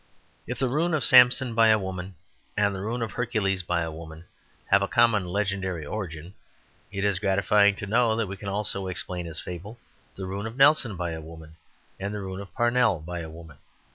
If the ruin of Samson by a woman, and the ruin of Hercules by a woman, have a common legendary origin, it is gratifying to know that we can also explain, as a fable, the ruin of Nelson by a woman and the ruin of Parnell by a woman.